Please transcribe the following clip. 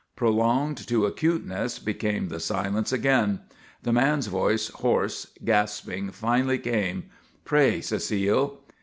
Prolonged to acuteness became the silence again; the man's voice, hoarse, gasping, finally came: "Pray, Cecile."